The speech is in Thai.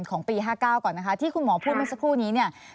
ของปี๕๙ก่อนนะคะที่คุณหมอพูดเมื่อสักครู่นี้เนี่ย